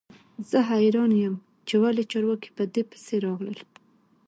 زه حیران یم چې ولې چارواکي په دې پسې راغلل